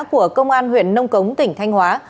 của công an huyện nông cống tỉnh thanh hóa